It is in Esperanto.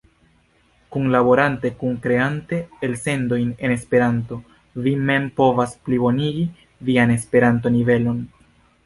Kunlaborante, kunkreante elsendojn en Esperanto, vi mem povas plibonigi vian Esperanto-nivelon.